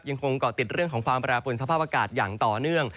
ยังคงเกาะติดเรื่องของความแปรปวนสภาพอากาศอย่างต่อเนื่อง